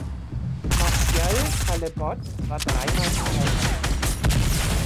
Martial Caillebotte war dreimal verheiratet.